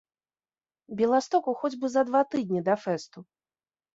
Беластоку хоць бы за два тыдні да фэсту!